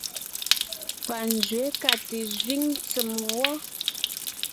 Panzwě ka te sẅíŋ tsèm wɔ.